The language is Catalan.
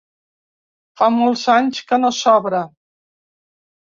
Fa molts anys que no s’obre.